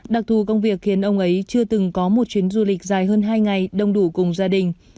đặc thù công việc khiến ông ấy chưa từng có một chuyến du lịch dài hơn hai ngày đông đủ cùng gia đình